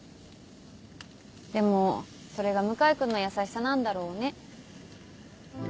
でもそれが向井君の優しさなんだろうね。